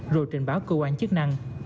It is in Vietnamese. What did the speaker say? rồi trình báo cơ quan chức năng